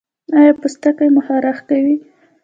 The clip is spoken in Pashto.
ایا پوستکی مو خارښ کوي؟